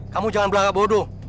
kamu jangan berlagak bodoh